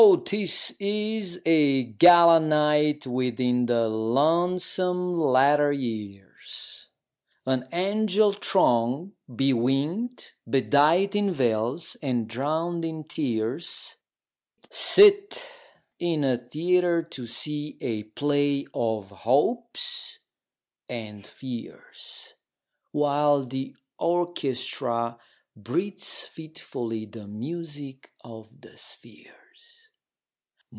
't is a gala night Within the lonesome latter years. An angel throng, bewinged, bedight In veils, and drowned in tears, Sit in a theatre to see 5 A play of hopes and fears, While the orchestra breathes fitfully The music of the spheres.